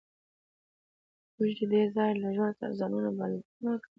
موږ د دې ځای له ژوند سره ځانونه بلد کړل